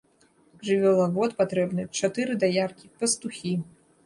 Жывёлавод патрэбны, чатыры даяркі, пастухі.